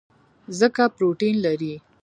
ځکه پروټین لري.